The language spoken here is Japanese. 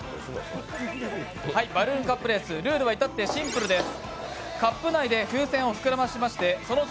バルーンカップレース、ルールは至ってシンプルです。